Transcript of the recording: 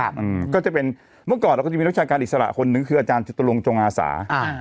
เมื่อก่อนเราก็จะมีนักวิชาการอิสระคนหนึ่งคืออาจารย์จุตรงจงอาสา